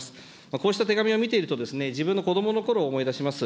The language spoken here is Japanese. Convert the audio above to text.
こうした手紙を見ていると、自分のこどものころを思い出します。